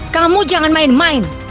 kamu jangan main main